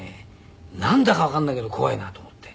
なんだかわかんないけど怖いなと思って。